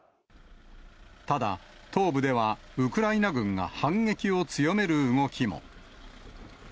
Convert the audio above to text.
ただ、東部ではウクライナ軍が反撃を強める動きも。